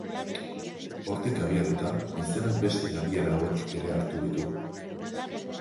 Hortik abiatuta, izenak beste adiera hauek ere hartu ditu.